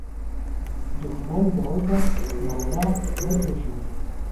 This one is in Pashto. دښمن د عذر معنا نه پېژني